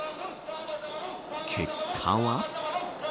結果は。